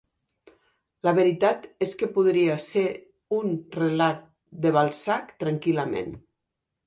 La veritat és que podria ser un relat de Balzac tranquil.lament.